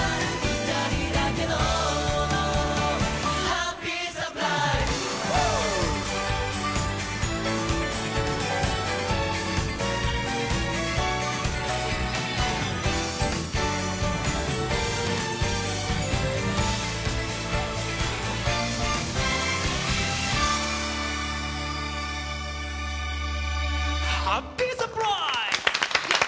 「ハッピーサプライズ」！